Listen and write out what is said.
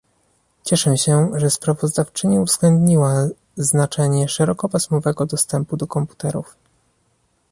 Cieszę się, że sprawozdawczyni uwzględniła znaczenie szerokopasmowego dostępu do komputerów